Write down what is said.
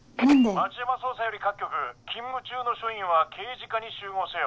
町山捜査より各局勤務中の署員は刑事課に集合せよ。